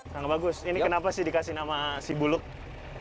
sangat bagus ini kenapa sih dikasih nama sibulung